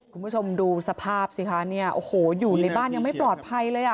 คุณผู้ชมดูสภาพสิคะเนี่ยโอ้โหอยู่ในบ้านยังไม่ปลอดภัยเลยอ่ะ